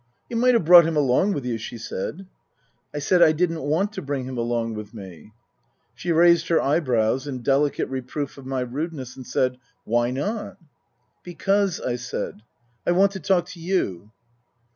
" You might have brought him along with you," she said. I said I didn't want to bring him along with me. She raised her eyebrows in delicate reproof of my rude ness and said, " Why not ?"" Because," I said, " I want to talk to you."